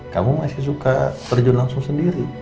kamu masih suka terjun langsung sendiri